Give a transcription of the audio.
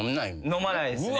飲まないですね。